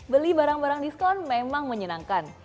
beli barang barang diskon memang menyenangkan